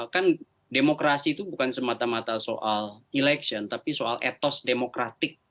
kan demokrasi itu bukan semata mata soal election tapi soal etos demokratik